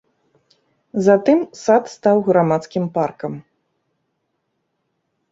Затым сад стаў грамадскім паркам.